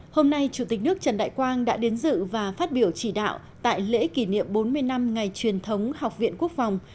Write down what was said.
hôm nay chủ tịch nước trần đại quang đã đến dự và phát biểu chỉ đạo tại lễ kỷ niệm bốn mươi năm ngày truyền thống học viện quốc phòng